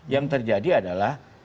yang terjadi adalah